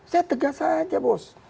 saya tegas aja bos